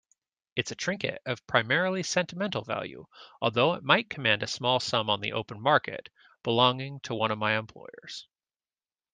It's a trinket of primarily sentimental value, although it might command a small sum on the open market, belonging to one of my employers.